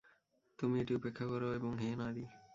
তুমি এটি উপেক্ষা কর এবং হে নারী!